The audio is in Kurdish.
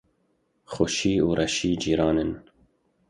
Xweşî û reşî cîran in.